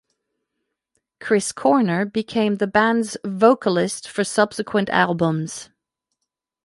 Chris Corner became the band's vocalist for subsequent albums.